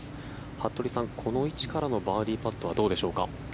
服部さん、この位置からのバーディーパットはどうでしょうか。